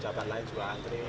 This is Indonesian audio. jabat lain juga antri